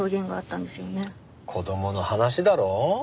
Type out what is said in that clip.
子供の話だろ？